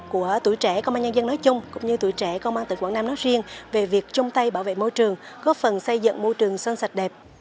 của tuổi trẻ công an nhân dân nói chung cũng như tuổi trẻ công an tỉnh quảng nam nói riêng về việc chung tay bảo vệ môi trường góp phần xây dựng môi trường sơn sạch đẹp